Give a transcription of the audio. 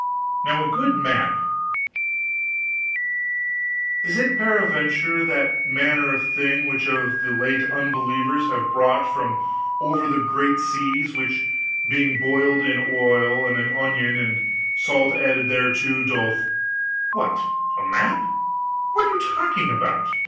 Now a good map " "Is it peradventure that manner of thing which of late the unbelievers have brought from over the great seas, which, being boiled in oil, and an onion and salt added thereto, doth " "What, a map? What are you talking about?